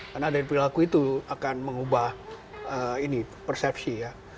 karena ada yang berperilaku itu akan mengubah persepsi ya